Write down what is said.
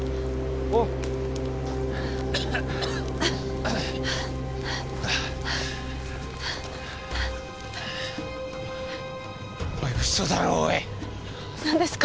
おいおい嘘だろおい何ですか？